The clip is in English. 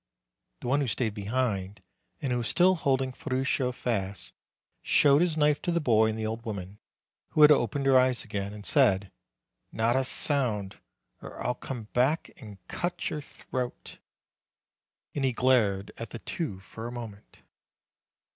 The one who stayed behind, and who was still hold ing Ferruccio fast, showed his knife to the boy and the old woman, who had opened her eyes again, and said, "Not a sound, or I'll come back and cut your throat." And he glared at the two for a moment.